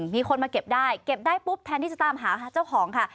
มีคนมาเก็บได้เก็บได้ปุ๊บแทนที่จะตามหาเจ้าของค่ะ